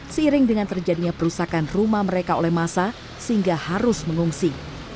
seiring dengan terjadinya perusakan rumah mereka oleh masa sehingga harus mengungsi